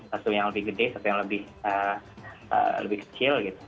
satu yang lebih gede satu yang lebih kecil gitu